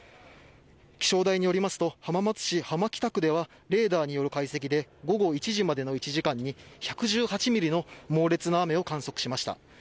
気象台によりますと浜松市浜北区ではレーダーによる解析で午後１時までの１時間に１１８ミリの猛烈な雨を観測しました。